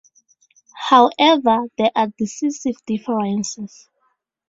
However, there are decisive differences.